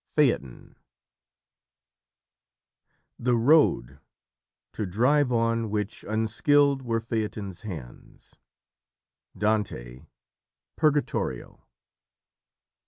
PHAETON "The road, to drive on which unskilled were Phaeton's hands." Dante Purgatorio.